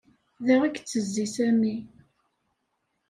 Da i yettezzi Sami.